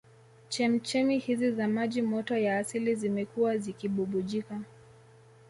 Chemchemi hizi za maji moto ya asili zimekuwa zikibubujika